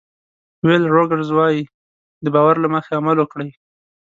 ویل روګرز وایي د باور له مخې عمل وکړئ.